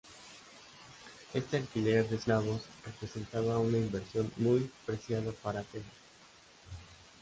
Este alquiler de esclavos representaba una inversión muy preciada para Atenas.